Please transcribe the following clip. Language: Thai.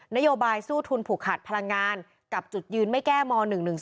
นโยบายสู้ทุนผูกขาดพลังงานกับจุดยืนไม่แก้ม๑๑๒